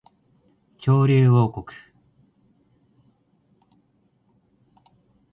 恐竜王国